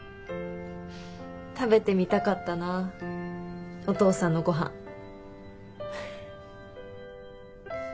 食べてみたかったなお父さんのごはん。